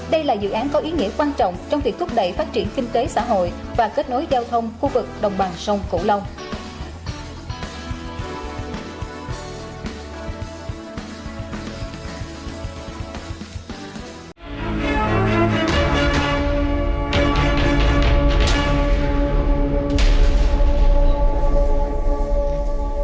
hãy đăng ký kênh để ủng hộ kênh của chúng mình nhé